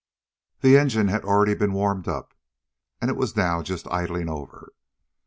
The engine had already been warmed up, and it was now just idling over.